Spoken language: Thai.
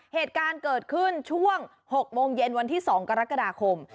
เหตุการณ์เกิดขึ้นช่วง๖โมงเย็นวันที่๒กรกฎาคม